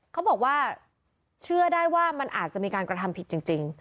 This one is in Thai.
เขาบอกว่าเชื่อได้ว่ามันอาจจะมีการกระทำผิดจริง